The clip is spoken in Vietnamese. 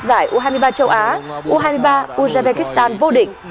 giải u hai mươi ba châu á u hai mươi ba uzbekistan vô địch